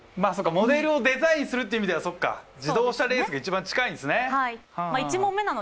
モデルをデザインするっていう意味ではそっか自動車レースが一番近いんすね。